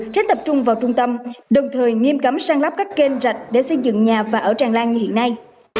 tránh tập trung vào trung tâm đồng thời nghiêm cấm săn lắp các kênh rạch để xây dựng nhà và ở tràng lan như hiện nay